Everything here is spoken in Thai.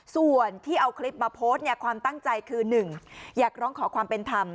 ส่วนที่เอาคลิปมาโพสต์เนี่ยความตั้งใจคือ๑อยากร้องขอความเป็นธรรม